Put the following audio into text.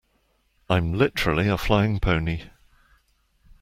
I'm literally a flying pony.